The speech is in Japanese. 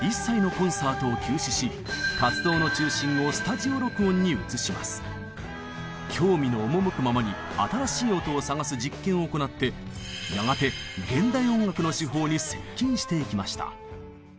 ビートルズは興味の赴くままに新しい音を探す実験を行ってやがて現代音楽の手法に接近していきました。